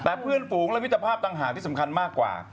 แต่เพื่อนฝูงและมิตรภาพต่างหากที่สำคัญมากกว่า